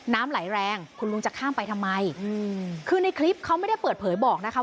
น้ำไหลแรงคุณลุงจะข้ามไปทำไมอืมคือในคลิปเขาไม่ได้เปิดเผยบอกนะคะ